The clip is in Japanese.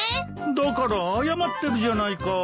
だから謝ってるじゃないか。